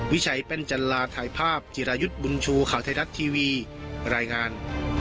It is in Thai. วิชัยแป้นจันลาถ่ายภาพจิรายุทธ์บุญชูข่าวไทยรัฐทีวีรายงาน